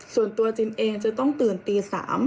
ส่วนตัวจิมเองจะต้องตื่นตี๓